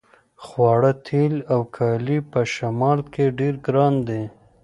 خواړه تیل او کالي په شمال کې ډیر ګران دي